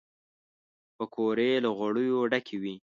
پکورې له غوړیو ډکې وي